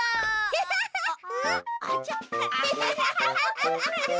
アハハハハ！